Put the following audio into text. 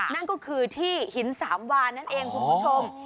นั่นก็คือที่หินสามวานนั่นเองคุณผู้ชม